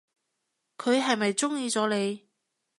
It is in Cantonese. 佢係咪中意咗你？